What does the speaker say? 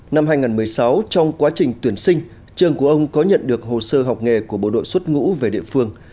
năm hai nghìn một mươi sáu trong quá trình tuyển sinh trường của ông có nhận được hồ sơ học nghề của bộ đội xuất ngũ về địa phương